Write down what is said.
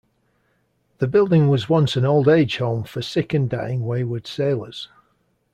The building was once an old age home for sick and dying wayward sailors.